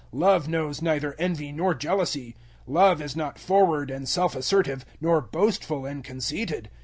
Love knows neither envy nor jealousy. Love is not forward and self assertive, nor boastful and conceited.